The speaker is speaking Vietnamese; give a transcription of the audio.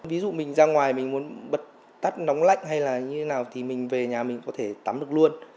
ví dụ mình ra ngoài mình muốn bật tắt nóng lạnh hay là như thế nào thì mình về nhà mình có thể tắm được luôn